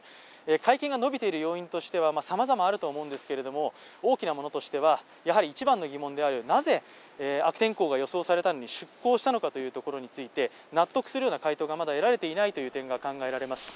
会見が延びている要因としてはさまざまあると思うんですけど大きなものとしては、やはり一番の疑問である、なぜ悪天候が予想されたのに出港したのかというところについて納得するような回答がまだ得られていないという点が考えられます。